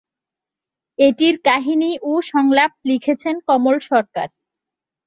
এটির কাহিনী ও সংলাপ লিখেছেন কমল সরকার।